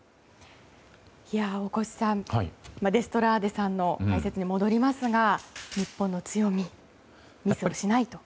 大越さん、デストラーデさんの解説に戻りますが日本の強みミスをしないという。